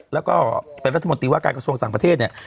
แล้วก็เป็นรัฐมนตรีว่าการกระทรวงต่างประเทศเนี่ย